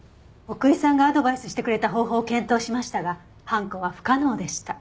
奥居さんがアドバイスしてくれた方法を検討しましたが犯行は不可能でした。